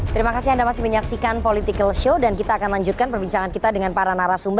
terima kasih anda masih menyaksikan political show dan kita akan lanjutkan perbincangan kita dengan para narasumber